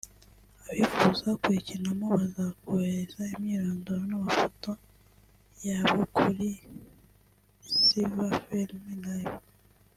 abifuza kuyikinamo bakazohereza imyirondoro n’amafoto yabo kuri silverfilm@live